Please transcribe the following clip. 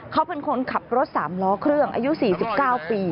เขาเป็นคนขับรถ๓ล้อเครื่องอายุ๔๙ปี